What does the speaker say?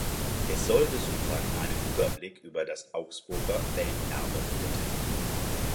Es soll Besuchern einen Überblick über das Augsburger Welterbe vermitteln.